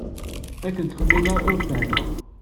Akken ttxemmimeɣ i ur fehhmeɣ.